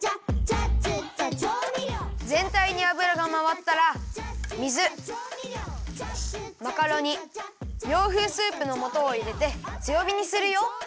ぜんたいにあぶらがまわったら水マカロニ洋風スープのもとをいれてつよびにするよ。